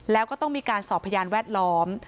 แล้วก็ต้องมีการสอบพยานแวดล้อม